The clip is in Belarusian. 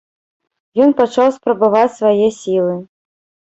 Ён пачаў спрабаваць свае сілы.